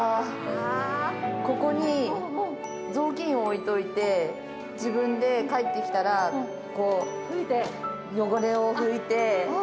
ここに雑巾を置いといて、自分で帰ってきたら、こう、汚れを拭いて。